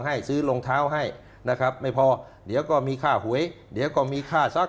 ให้ซื้อรองเท้าให้นะครับไม่พอเดี๋ยวก็มีค่าหวยเดี๋ยวก็มีค่าซัก